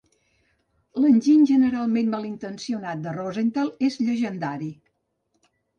L'enginy generalment malintencionat de Rosenthal era llegendari.